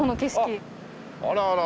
あらあら。